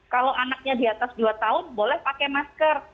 kalau anaknya di atas dua tahun boleh pakai masker